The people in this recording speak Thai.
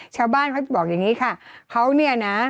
ชาวบ้านเขาบอกอย่างงี้ค่ะก็เนี่ยนะ